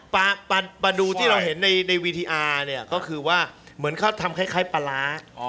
ปลาดูที่เราเห็นในวีดีอาร์เนี่ยก็คือว่าเหมือนเขาทำคล้ายปลาร้า